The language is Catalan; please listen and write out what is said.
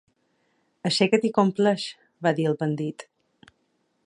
Aixeca't i compleix, va dir el bandit.